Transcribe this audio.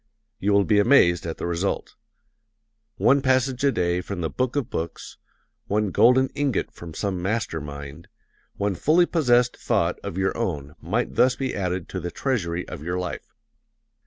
You will be amazed at the result. One passage a day from the Book of Books, one golden ingot from some master mind, one fully possessed thought of your own might thus be added to the treasury of your life.